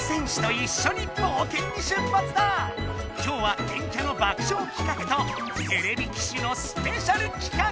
きょうは電キャの爆笑企画とてれび騎士のスペシャル企画。